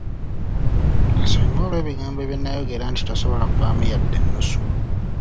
Nsonyiwa olw'ebigambo bye nnayogera nti tosobola kuvaamu yadde ennusu.